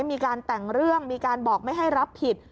มีการแต่งเรื่องมีการบอกไม่ให้รับผิด